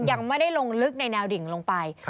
ยังไม่ได้ลงลึกในแนวดิ่งลงไป